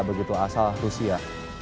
begitu asal rusia